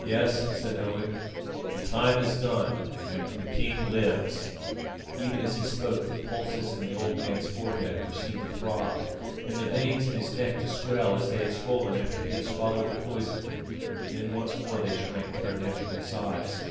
"Yes," said Owen, "the time is done and the king lives!" Even as he spoke the pulses in the old man's forehead were seen to throb, and the veins in his neck to swell as they had swollen after he had swallowed the poison; then once more they shrank to their natural size.